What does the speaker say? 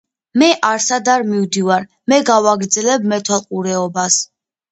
მე არსად არ მივდივარ, მე გავაგრძელებ მეთვალყურეობას.